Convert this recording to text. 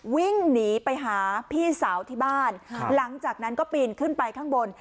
วิ่งหนีไปหาพี่สาวที่บ้านหลังจากนั้นก็ปีนขึ้นไปข้างบน